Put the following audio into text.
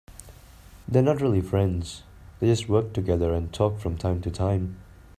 They are not really friends, they just work together and talk from time to time.